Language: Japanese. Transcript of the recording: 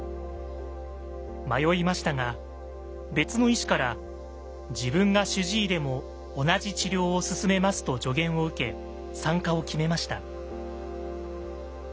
迷いましたが別の医師から「自分が主治医でも同じ治療を勧めます」と助言を受け参加を決めました。